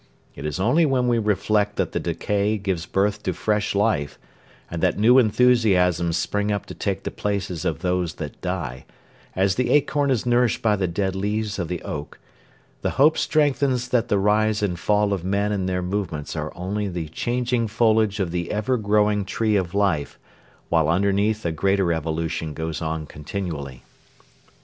It is only when we reflect that the decay gives birth to fresh life, and that new enthusiasms spring up to take the places of those that die, as the acorn is nourished by the dead leaves of the oak, the hope strengthens that the rise and fall of men and their movements are only the changing foliage of the ever growing tree of life, while underneath a greater evolution goes on continually.